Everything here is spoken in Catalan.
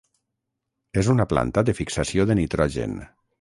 És una planta de fixació de nitrogen.